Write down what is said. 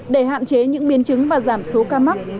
để hạn chế những biến chứng và giảm số ca mắc